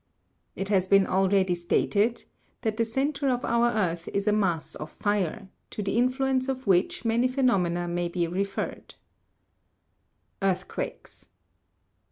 It has been already stated (page 12) that the centre of our earth is a mass of fire, to the influence of which many phenomena may be referred. EARTHQUAKES.